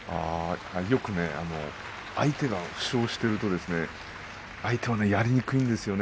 相手が負傷していますと相手はやりにくいんですよね。